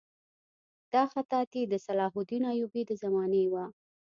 دا خطاطي د صلاح الدین ایوبي د زمانې وه.